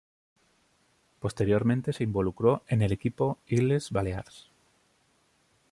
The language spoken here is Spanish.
Posteriormente se involucró en el equipo Illes Balears.